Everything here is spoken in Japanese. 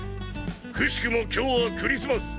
くしくも今日はクリスマス。